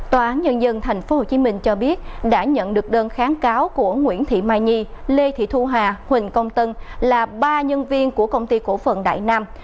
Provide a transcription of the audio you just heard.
tòa án nhân dân tp hcm cho biết đã nhận được đơn kháng cáo của nguyễn thị mai nhi lê thị thu hà huỳnh công tân là ba nhân viên của công ty cổ phận đại nam